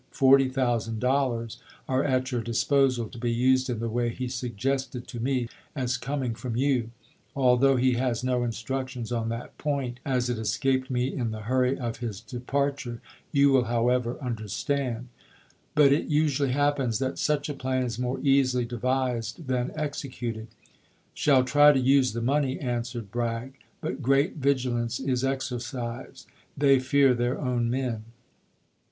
Forty thousand dollars are at your disposal, to be used in the way he suggested to me as coming from you. Although he has no instructions on that point, as it escaped waikerto me in the hurry of his departure, you will however Apriig.isei. , V. . 1, 1 W. R. Vol. understand." But it usually happens that such a i p 459. plan is more easily devised than executed. " Shall Bragg to try to use the money," answered Bragg, " but great Aprfig.isei. vigilance is exercised. They fear their own men."